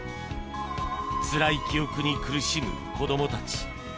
つらい記憶に苦しむ子供たち。